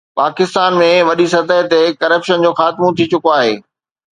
پاڪستان ۾ وڏي سطح تي ڪرپشن جو خاتمو ٿي چڪو آهي